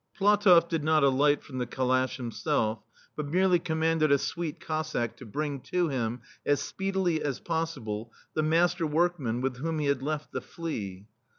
PlatoflF did not alight from the ca lash himself, but merely commanded a Suite Cossack to bring to him, as speedily as possible, the master work man with whom he had left the flea.